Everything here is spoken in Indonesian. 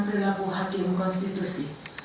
perlaku hakim konstitusi